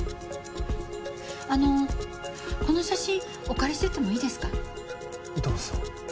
あのこの写真お借りしてってもいいですか？どうぞ。